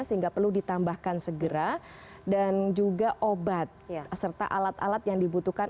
sehingga perlu ditambahkan segera dan juga obat serta alat alat yang dibutuhkan